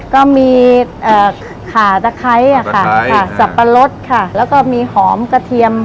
ก็มีขาตะไคร้ค่ะสับปะรดค่ะแล้วก็มีหอมกระเทียม